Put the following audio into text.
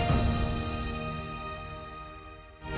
ya bagus kagum gitu ya